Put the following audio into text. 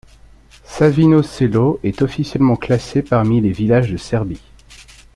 Savino Selo est officiellement classé parmi les villages de Serbie.